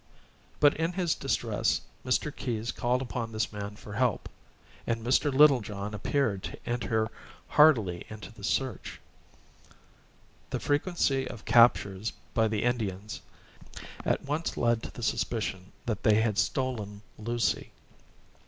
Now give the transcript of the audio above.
But in his distress Mr. Keyes called upon this man for help, and Mr. Littlejohn appeared to enter heartily into the search. The frequency of captures by the Indians, at once led to the suspicion that they had stolen Lucy.